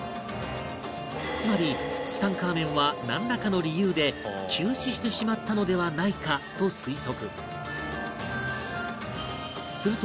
つまりツタンカーメンはなんらかの理由で急死してしまったのではないかと推測